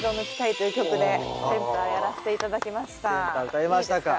歌いましたか。